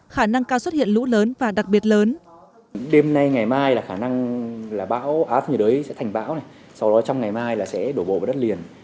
khả năng cao xuất hiện lũ lớn và đặc biệt lớn